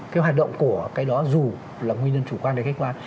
cái hoạt động của cái đó dù là nguyên nhân chủ quan đến khách quan